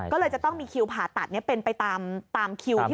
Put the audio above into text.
ก็เลยจะต้องมีคิวผ่าตัดเป็นไปตามคิวที่